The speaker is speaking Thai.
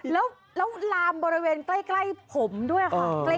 แล้วลามบริเวณใกล้ผมด้วยค่ะ